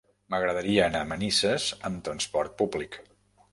M'agradaria anar a Manises amb transport públic.